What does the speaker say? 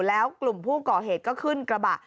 แล้วกลุ่มผู้ก่อเหตุก็ขึ้นกระบะ